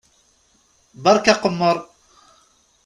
Berka aqemmeṛ!